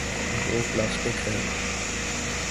وہ پلاسٹک ہے۔